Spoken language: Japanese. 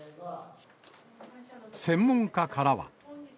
専門家からは。